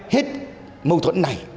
hết mâu thuẫn này